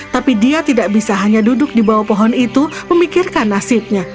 tapi dia tidak bisa hanya duduk di bawah pohon itu memikirkan nasibnya